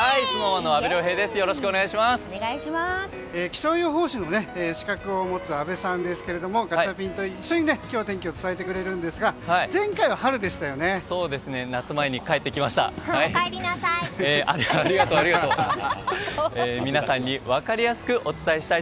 気象予報士の資格を持つ阿部さんですがガチャピンと一緒に今日は天気を伝えてくれるんですが夏前に帰ってきました。